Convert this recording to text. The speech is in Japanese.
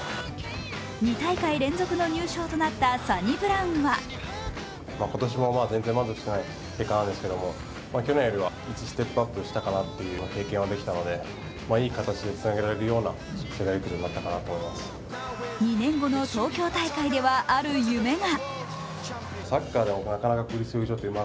２大会連続の入賞となったサニブラウンは２年後の東京大会ではある夢が。